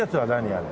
あれ。